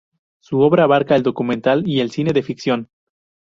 Su obra abarca el documental y el cine de ficción.